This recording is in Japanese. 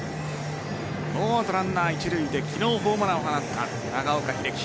ノーアウトランナー一塁で昨日、ホームランを放った長岡秀樹。